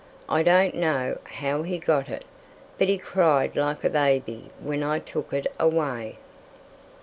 I don't know how he got it, but he cried like a baby when I took it away."